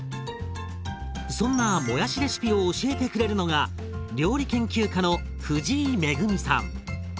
そんなもやしレシピを教えてくれるのが料理研究家の藤井恵さん。